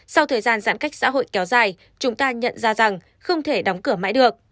sau thời gian giãn cách xã hội kéo dài chúng ta nhận ra rằng không thể đóng cửa mãi được